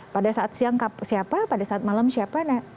pada saat siang siapa pada saat malam siapa